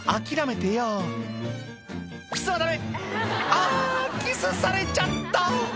「あキスされちゃった！」